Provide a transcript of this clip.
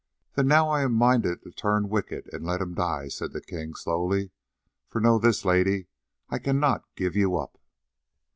"Then now I am minded to turn wicked and let him die," said the king slowly, "for know this, Lady, I cannot give you up."